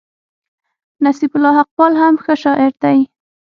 نصيب الله حقپال هم ښه شاعر دئ.